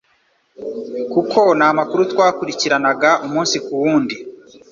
kuko ni amakuru twakurikiranaga umunsi ku wundi,